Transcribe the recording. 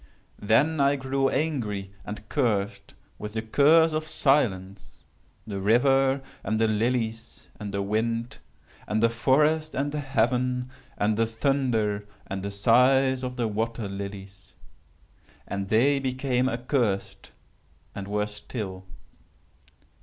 "Then I grew angry and cursed, with the curse of silence, the river, and the lilies, and the wind, and the forest, and the heaven, and the thunder, and the sighs of the water lilies. And they became accursed, and were still.